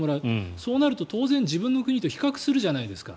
そうなると当然、自分の国と比較するじゃないですか。